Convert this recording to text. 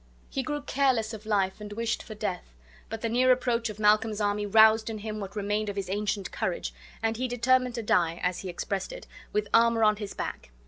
He grew careless of life and wished for death; but the near approach of Malcolm's army roused in him what remained of his ancient courage, and he determined to die (as he expressed it) "with armor on his back."